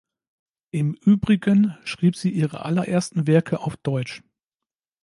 Im Übrigen schrieb sie ihre allerersten Werke auf Deutsch.